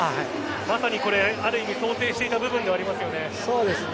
まさにある意味想定していた部分ではそうですね。